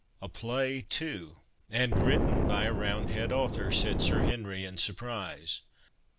"A play, too, and written by a roundhead author!" said Sir Henry in surprise.